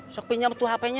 suka pinjam tuh hpnya